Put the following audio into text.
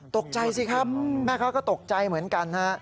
ตกใจสิครับแม่ค้าก็ตกใจเหมือนกันฮะ